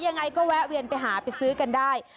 ยังไงก็แวะเวียนไปหาไปซื้อกันได้